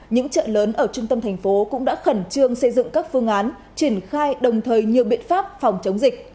những chợ lớn ở trung tâm thành phố cũng đã khẩn trương xây dựng các phương án triển khai đồng thời nhiều biện pháp phòng chống dịch